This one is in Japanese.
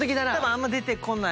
あんま出てこないと。